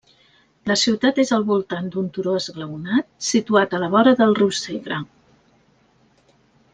La ciutat és al voltant d'un turó esglaonat situat a la vora del riu Segre.